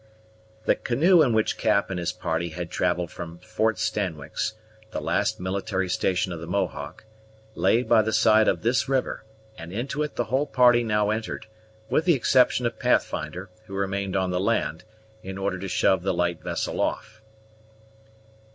The canoe in which Cap and his party had travelled from Fort Stanwix, the last military station of the Mohawk, lay by the side of this river, and into it the whole party now entered, with the exception of Pathfinder, who remained on the land, in order to shove the light vessel off.